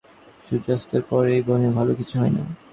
সূর্যাস্তের পর এই বনে ভালো কিছু হয়না।